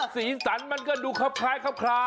สีสันมันก็ดูครับคล้ายครับคลา